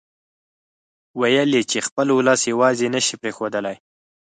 ويل يې چې خپل اولس يواځې نه شي پرېښودلای.